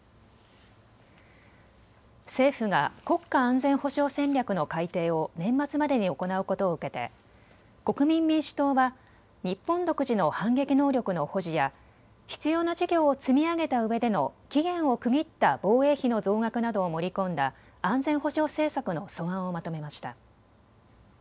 政府が国家安全保障戦略の改定を年末までに行うことを受けて国民民主党は日本独自の反撃能力の保持や必要な事業を積み上げたうえでの期限を区切った防衛費の増額などを盛り込んだ安全保障政策の素案をまとめました。